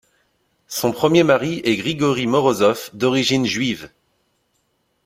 Son premier mari est Grigori Morozov, d'origine juive.